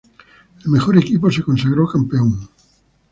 El mejor equipo se consagró campeón.